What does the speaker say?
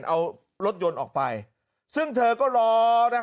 การนอนไม่จำเป็นต้องมีอะไรกัน